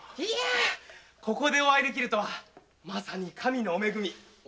ここでお会いできるとは神のお恵み。